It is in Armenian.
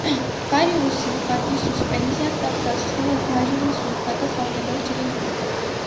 Բարիումի սուլֆատի սուսպենզիան պատրաստվում է բարիումի սուլֆատը խառնելով ջրի հետ։